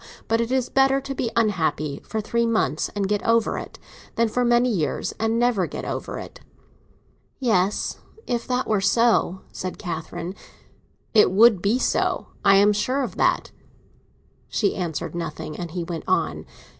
But it is better to be unhappy for three months and get over it, than for many years and never get over it." "Yes, if that were so," said Catherine. "It would be so; I am sure of that." She answered nothing, and he went on.